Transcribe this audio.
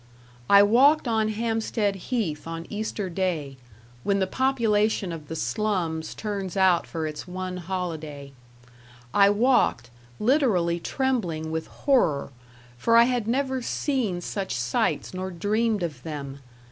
I walked on Hampstead Heath on Easter day, when the population of the slums turns out for its one holiday; I walked, literally trembling with horror, for I had never seen such sights nor dreamed of them.